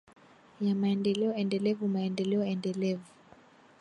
ya maendeleo endelevu maendeleo endelevu